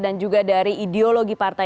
dan juga dari ideologi partai